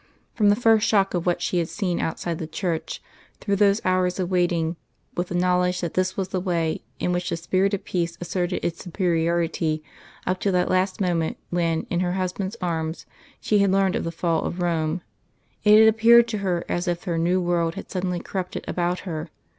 From the first shock of what she had seen outside the church, through those hours of waiting, with the knowledge that this was the way in which the Spirit of Peace asserted its superiority, up to that last moment when, in her husband's arms, she had learned of the Fall of Rome, it had appeared to her as if her new world had suddenly corrupted about her.